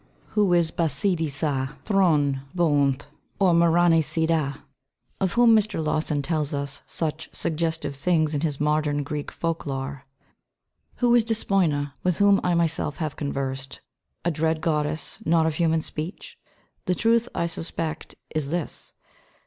Who is the "Βασίλισσα τὣν βουνὣν," or "Μεγάλη Κυρά" of whom Mr. Lawson tells us such suggestive things in his Modern Greek Folk lore? Who is Despoina, with whom I myself have conversed, "a dread goddess, not of human speech?" The truth, I suspect, is this.